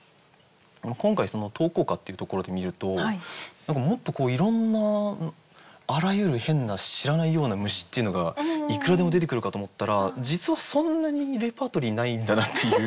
今回投稿歌っていうところで見るともっといろんなあらゆる変な知らないような虫っていうのがいくらでも出てくるかと思ったら実はそんなにレパートリーないんだなっていう。